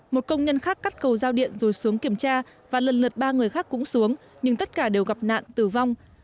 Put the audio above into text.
một công nhân khác cắt cầu giao điện rồi xuống kiểm tra và lần lượt ba người khác cũng xuống nhưng tất cả đều gặp nạn tử vong